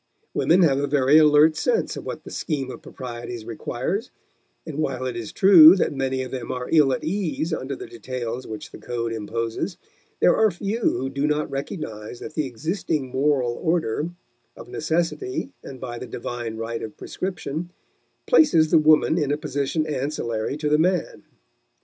Women have a very alert sense of what the scheme of proprieties requires, and while it is true that many of them are ill at ease under the details which the code imposes, there are few who do not recognize that the existing moral order, of necessity and by the divine right of prescription, places the woman in a position ancillary to the man.